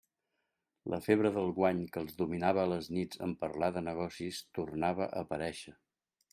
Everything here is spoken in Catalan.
La febre del guany que els dominava a les nits en parlar de negocis tornava a aparèixer.